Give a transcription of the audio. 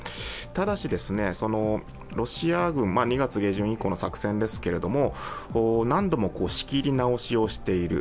ただし、ロシア軍、２月下旬以降の作戦ですけど何度も仕切り直しをしている。